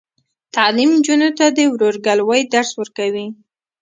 تعلیم نجونو ته د ورورګلوۍ درس ورکوي.